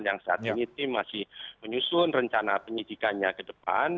yang saat ini tim masih menyusun rencana penyidikannya ke depan